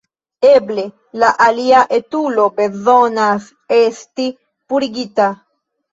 Eble la alia etulo bezonas esti purigita.